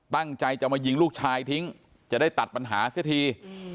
ตั้งใจจะมายิงลูกชายทิ้งจะได้ตัดปัญหาเสียที